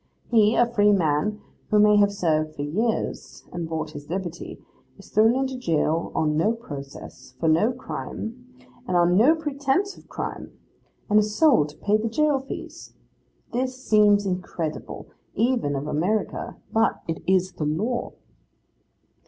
He, a free man, who may have served for years, and bought his liberty, is thrown into jail on no process, for no crime, and on no pretence of crime: and is sold to pay the jail fees. This seems incredible, even of America, but it is the law.